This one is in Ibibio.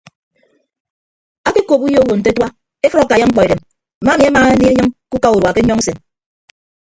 Ake okop uyo owo nte atua efʌd akaiya mkpọ edem mma ami ama anie enyịñ ke uka urua ke nyọñọ usen.